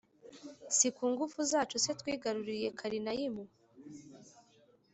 si ku ngufu zacu se twigaruriye karinayimu